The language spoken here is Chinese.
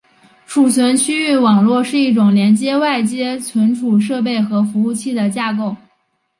储存区域网络是一种连接外接存储设备和服务器的架构。